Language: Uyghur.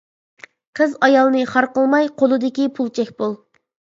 قىز، ئايالنى خار قىلماي، قۇلىدىكى پۇل چەك بول.